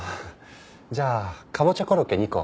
じゃあかぼちゃコロッケ２個持ち帰りで。